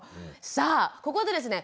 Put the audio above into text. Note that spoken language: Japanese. さあここでですね